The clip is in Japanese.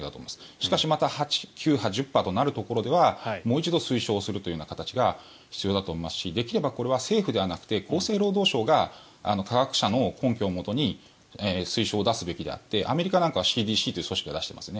しかし、また９波、１０波というところではもう一度推奨するという形が必要だと思いますしできれば、これは政府ではなくて厚生労働省が科学者の根拠をもとに推奨を出すべきであってアメリカなんかはＣＤＣという組織が出していますよね。